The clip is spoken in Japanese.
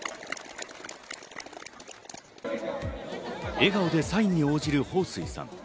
笑顔でサインに応じるホウ・スイさん。